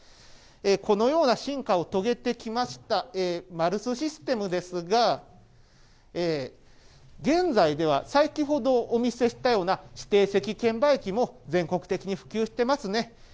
このような進化を遂げてきましたマルスシステムですが、現在では、先ほどお見せしたような指定席券売機も、全国的に普及してますね。